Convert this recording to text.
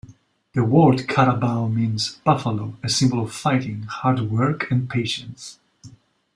The word carabao means "buffalo", a symbol of fighting, hard work, and patience.